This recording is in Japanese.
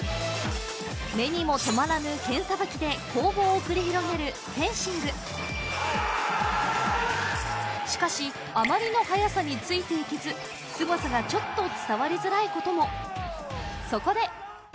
目にも止まらぬ剣さばきで攻防を繰り広げるフェンシングしかしあまりの速さについていけずすごさがちょっと伝わりづらいこともそこで！